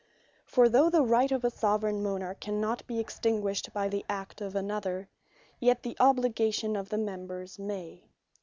For though the Right of a Soveraign Monarch cannot be extinguished by the act of another; yet the Obligation of the members may.